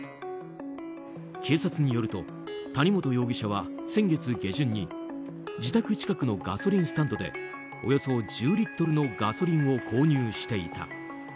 警察によると谷本容疑者は先月下旬に自宅近くのガソリンスタンドでおよそ１０リットルのガソリンを購入していた。